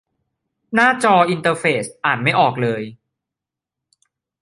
หน้าจออินเตอร์เฟซอ่านไม่ออกเลย